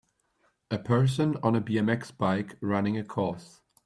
A person on a bmx bike, running a course.